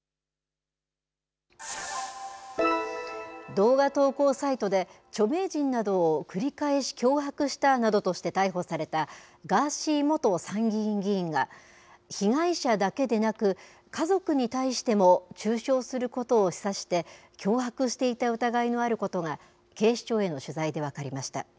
動画投稿サイトで、著名人などを繰り返し脅迫したなどとして、逮捕された、ガーシー元参議院議員が、被害者だけでなく、家族に対しても中傷することを示唆して、脅迫していた疑いのあることが、警視庁への取材で分かりました。